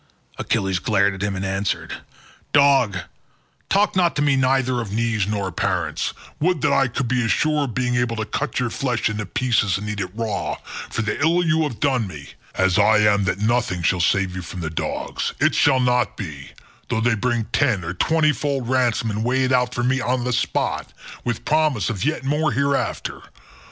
Achilles glared at him and answered, "Dog, talk not to me neither of knees nor parents; would that I could be as sure of being able to cut your flesh into pieces and eat it raw, for the ill you have done me, as I am that nothing shall save you from the dogs—it shall not be, though they bring ten or twenty fold ransom and weigh it out for me on the spot, with promise of yet more hereafter.